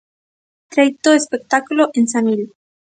Treito espectáculo en Samil.